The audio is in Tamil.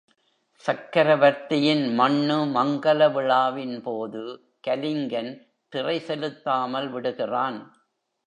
சக்கரவர்த்தியின் மண்ணு மங்கலவிழா வின் போது கலிங்கன் திறை செலுத்தாமல் விடுகிறான்.